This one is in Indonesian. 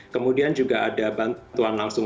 kemudian juga ada bantuan langsung